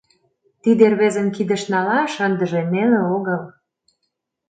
Тиде рвезым кидыш налаш ындыже неле огыл.